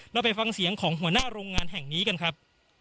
เราไปฟังเสียงของหัวหน้าโรงงานแห่งนี้กันครับ